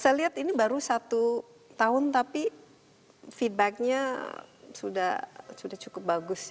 saya lihat ini baru satu tahun tapi feedbacknya sudah cukup bagus